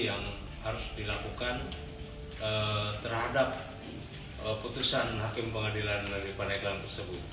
yang harus dilakukan terhadap putusan hakim pengadilan negeri paneglang tersebut